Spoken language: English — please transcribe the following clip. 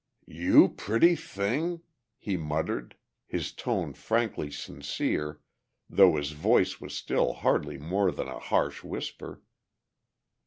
"You pretty thing!" he muttered, his tone frankly sincere though his voice was still hardly more than a harsh whisper.